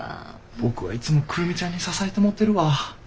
僕はいつも久留美ちゃんに支えてもうてるわ。